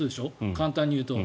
簡単に言うと。